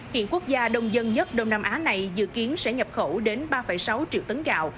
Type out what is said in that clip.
hiện quốc gia đông dân nhất đông nam á này dự kiến sẽ nhập khẩu đến ba sáu triệu tấn gạo